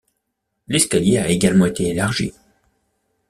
L'escalier a également été élargi.